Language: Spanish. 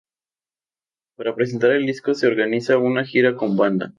Para presentar el disco se organiza una gira con banda.